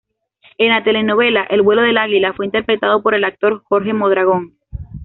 En la telenovela El vuelo del águila fue interpretado por el actor Jorge Mondragón.